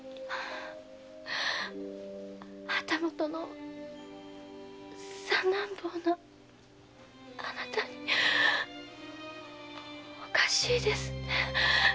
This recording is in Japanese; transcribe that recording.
旗本の三男坊のあなたにおかしいですね。